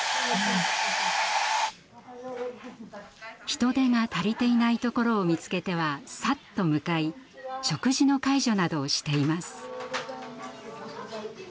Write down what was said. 人手が足りていないところを見つけてはさっと向かい食事の介助などをしています。